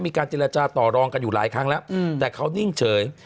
มีการเจรจาต่อรองกันอยู่หลายครั้งแล้วแต่เขานิ่งเฉย